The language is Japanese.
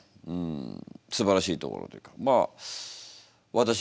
すばらしいところというか。